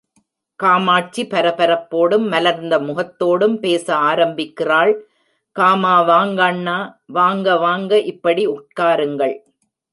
காமாட்சி பரபரப்போடும் மலர்ந்த முகத்தோடும் பேச ஆரம்பிக்கிறாள் காமா வாங்கண்ணா வாங்க வாங்க, இப்படி உட்காருங்கள்.